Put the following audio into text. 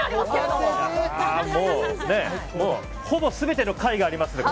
もう、ほぼ全ての貝がありますけどね。